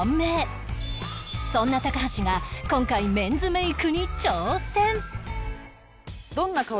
そんな高橋が今回メンズメイクに挑戦